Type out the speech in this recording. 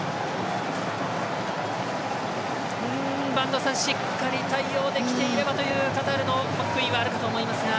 播戸さん、しっかり対応できていればというカタールの悔いはあるかと思いますが。